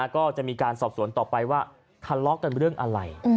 ก็จะมีการสอบสวนต่อไปว่าทะเลาะกันเรื่องอะไร